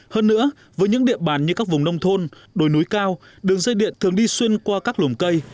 hơn nữa với những địa bàn như các vùng nông thôn đồi núi cao đường dây điện thường đi xuyên qua các lùm cây